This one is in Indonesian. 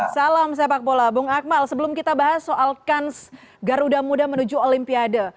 salam sepak bola bung akmal sebelum kita bahas soal kans garuda muda menuju olimpiade